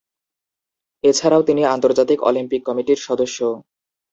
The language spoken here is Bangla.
এছাড়াও তিনি আন্তর্জাতিক অলিম্পিক কমিটির সদস্য।